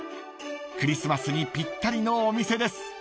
［クリスマスにぴったりのお店です］